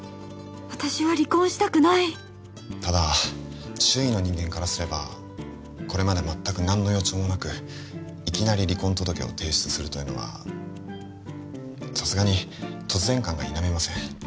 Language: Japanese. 私は離婚したくないただ周囲の人間からすればこれまで全く何の予兆もなくいきなり離婚届を提出するというのはさすがに突然感が否めません